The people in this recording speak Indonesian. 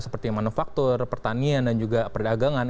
seperti manufaktur pertanian dan juga perdagangan